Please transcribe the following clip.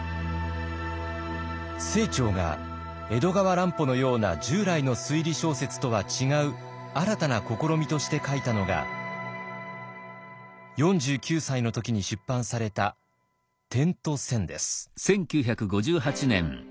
清張が江戸川乱歩のような従来の推理小説とは違う新たな試みとして書いたのが４９歳の時に出版された「点と線」です。